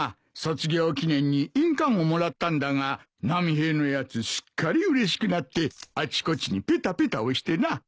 卒業記念に印鑑をもらったんだが波平のやつすっかりうれしくなってあちこちにペタペタ押してな。